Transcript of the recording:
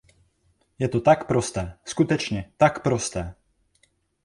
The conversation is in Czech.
Je to tak prosté, skutečně tak prosté.